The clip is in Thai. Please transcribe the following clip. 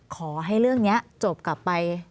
ขอให้เรื่องนี้จบกลับไป